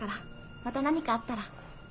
また何かあったら。